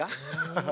ハハハ。